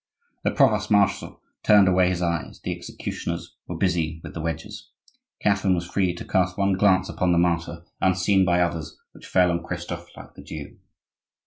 The provost marshal turned away his eyes, the executioners were busy with the wedges; Catherine was free to cast one glance upon the martyr, unseen by others, which fell on Christophe like the dew.